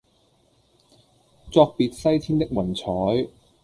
作別西天的雲彩